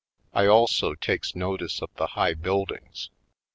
I also takes notice of the high build ings.